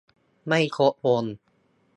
ไม่ครบวง